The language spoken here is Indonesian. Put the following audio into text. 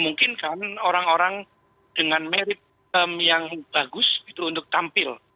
mungkin kan orang orang dengan merit yang bagus itu untuk tampil